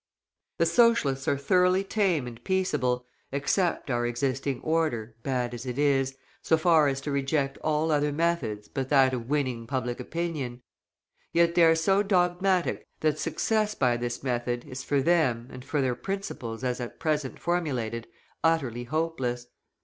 The Socialists are thoroughly tame and peaceable, accept our existing order, bad as it is, so far as to reject all other methods but that of winning public opinion. Yet they are so dogmatic that success by this method is for them, and for their principles as at present formulated, utterly hopeless.